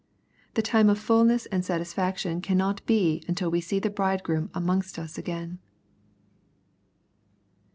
The time of fulness and satisfaction cannot be until we see the Bridegroom amongst us again.